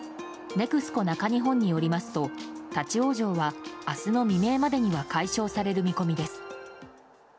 ＮＥＸＣＯ中日本によりますと立ち往生は明日の未明までには解消される見込みです。